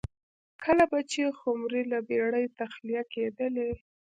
کله به چې خُمرې له بېړۍ تخلیه کېدلې